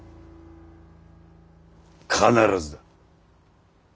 必ずだ。